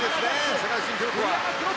世界新記録は。